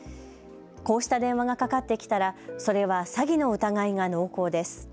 こうした電話がかかってきたらそれは詐欺の疑いが濃厚です。